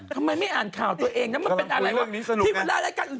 เธอไม่อ่านข่าวตัวเองนะมันเป็นอะไรวะที่มันร่าให้รายการขอเรื่องเรื่องนี้สนุกไง